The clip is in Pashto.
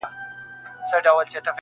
له تا قربان سم مهربانه بابا!!